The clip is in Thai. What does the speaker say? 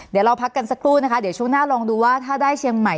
เดี๋ยวเราพักกันสักครู่นะคะเดี๋ยวช่วงหน้าลองดูว่าถ้าได้เชียงใหม่